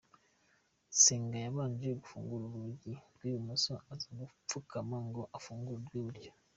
Nsenga yabanje gufungura urugi rw’ibumoso, aza gupfukama ngo afungure urw’iburyo.